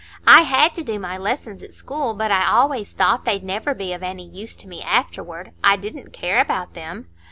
I had to do my lessons at school, but I always thought they'd never be of any use to me afterward; I didn't care about them."